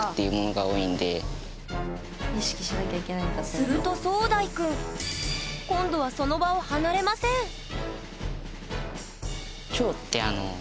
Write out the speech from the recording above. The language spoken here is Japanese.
すると壮大くん今度はその場を離れませんえ？